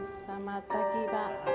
selamat pagi pak